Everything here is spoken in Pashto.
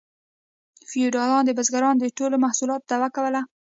فیوډالانو د بزګرانو د ټولو محصولاتو دعوه کوله